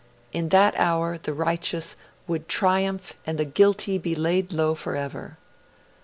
In that hour, the righteous 'Would triumph and the guilty be laid low forever.'